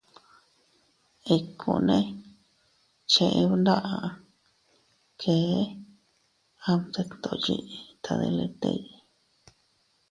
Ikkune cheʼe bndaʼa, kee am detndoʼo yiʼi tadilin.